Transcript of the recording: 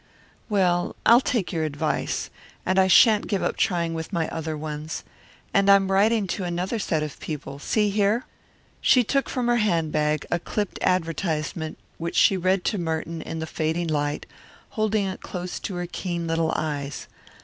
"Well, I'll take your advice. And I shan't give up trying with my other ones. And I'm writing to another set of people see here." She took from her handbag a clipped advertisement which she read to Merton in the fading light, holding it close to her keen little eyes.